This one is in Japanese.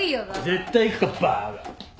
絶対行くかバカ。